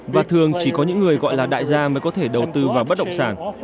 và thường chỉ có những người gọi là đại gia mới có thể đầu tư vào bất động sản